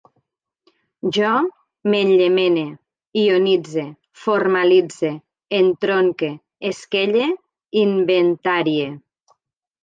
Jo m'enllemene, ionitze, formalitze, entronque, esquelle, inventarie